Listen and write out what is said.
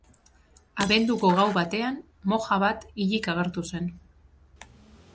Abenduko gau batean, moja bat hilik agertu zen.